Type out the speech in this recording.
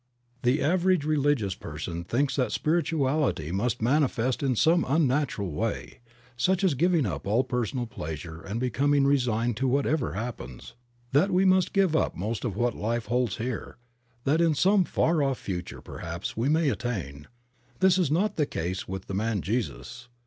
The average religious person thinks that spirituality must manifest in some unnatural way, such as giving up all personal pleasure and becoming resigned to whatever happens; that we must give up most of what life holds here ; that in some far off future perhaps we may attain. This was not the case with the man Jesus.